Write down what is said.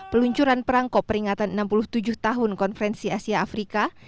peluncuran perangko peringatan enam puluh tujuh tahun konferensi asia afrika